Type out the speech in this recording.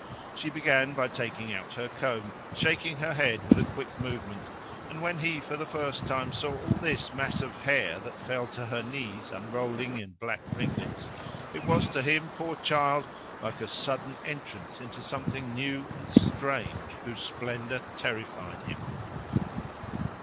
She began by taking out her comb, shaking her head with a quick movement, and when he for the first time saw all this mass of hair that fell to her knees unrolling in black ringlets, it was to him, poor child! like a sudden entrance into something new and strange, whose splendour terrified him.